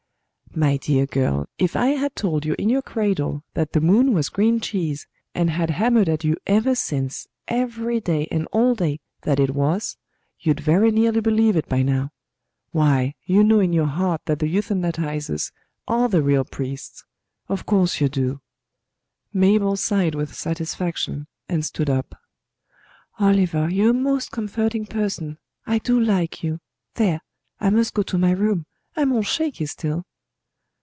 "My dear girl, if I had told you in your cradle that the moon was green cheese, and had hammered at you ever since, every day and all day, that it was, you'd very nearly believe it by now. Why, you know in your heart that the euthanatisers are the real priests. Of course you do." Mabel sighed with satisfaction and stood up. "Oliver, you're a most comforting person. I do like you! There! I must go to my room: I'm all shaky still."